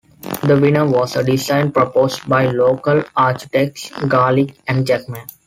The winner was a design proposed by local architects Garlick and Jackman.